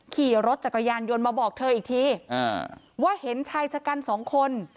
ขี่รถจักรยานยนต์มาบอกเธออีกทีว่าเห็นชายชะกันสองคน